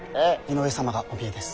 井上様がお見えです。